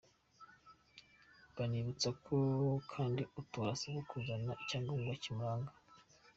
Banibutsa ko kandi utora asabwa kuzana icyangombwa kimuranga.